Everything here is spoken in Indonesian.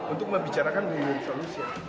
untuk membicarakan dengan solusi